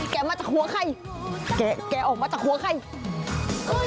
ก็จะมาจากขวาใครแกแกออกมาจากหัวใคร